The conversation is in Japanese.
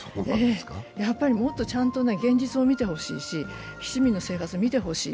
やっぱりもっとちゃんと現実を見てほしいし市民の生活を見てほしい。